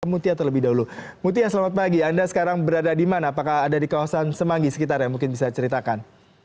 mutia terlebih dahulu mutia selamat pagi anda sekarang berada di mana apakah ada di kawasan semanggi sekitarnya mungkin bisa ceritakan